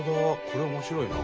これ面白いな。